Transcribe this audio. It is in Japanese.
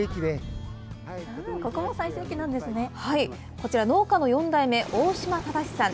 こちら、農家の４代目、大島正さん。